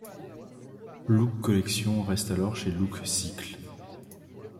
Look Collection reste alors chez Look Cycles.